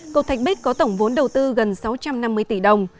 cầu thạch bích có tổng vốn đầu tư gần sáu trăm năm mươi tỷ đồng